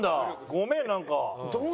ごめんなんか。